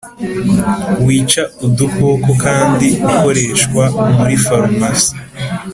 Wica udukoko kandi ukoreshwa muri farumasi